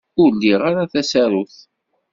Ur liɣ ara tasarut.